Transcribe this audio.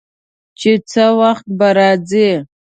چې څه وخت به راځي.